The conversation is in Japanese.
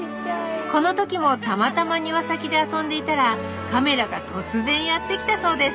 この時もたまたま庭先で遊んでいたらカメラが突然やって来たそうです